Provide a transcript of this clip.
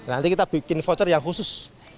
nanti kita bikin voucher yang khusus